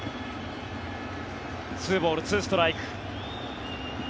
２ボール２ストライク。